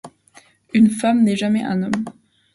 Une femme n’est jamais un homme.